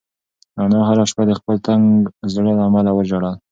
انا هره شپه د خپل تنګ زړه له امله وژړل.